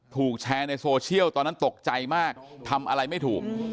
ถูกแชร์ในโซเชียลตอนนั้นตกใจมากทำอะไรไม่ถูก